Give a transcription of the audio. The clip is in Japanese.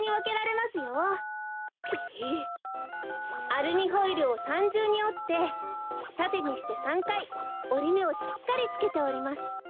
アルミホイルを３じゅうにおってたてにして３かいおりめをしっかりつけております。